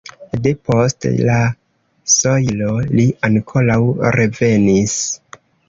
De post la sojlo li ankoraŭ revenis.